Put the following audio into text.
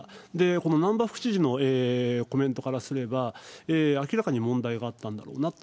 この難波副知事のコメントからすれば、明らかに問題があったんだろうなと。